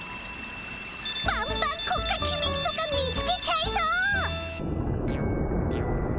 バンバン国家きみつとか見つけちゃいそう！